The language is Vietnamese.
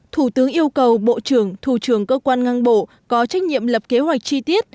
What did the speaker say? thủ tướng yêu cầu bộ trưởng thủ trưởng cơ quan ngang bộ có trách nhiệm lập kế hoạch chi tiết